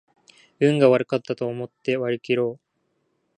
運が悪かったと思って割りきろう